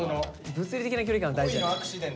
物理的な距離感大事だよね。